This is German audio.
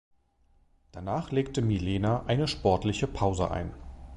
Danach legte Milena eine sportliche Pause ein.